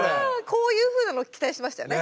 こういうふうなの期待してましたよね。